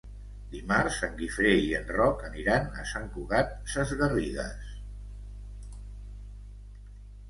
Dimarts en Guifré i en Roc aniran a Sant Cugat Sesgarrigues.